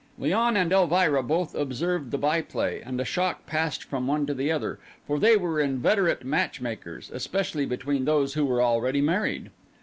Léon and Elvira both observed the byplay, and a shock passed from one to the other; for they were inveterate match makers, especially between those who were already married.